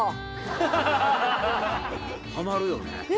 ハマるよね。